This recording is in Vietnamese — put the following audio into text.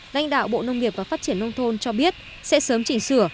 lãnh đạo bộ nông nghiệp và phát triển nông thôn cho biết sẽ sớm chỉnh sửa